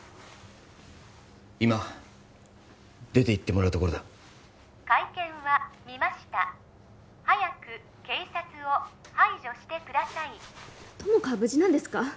今出ていってもらうところだ会見は見ました早く警察を排除してください友果は無事なんですか！？